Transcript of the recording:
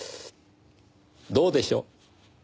どうでしょう？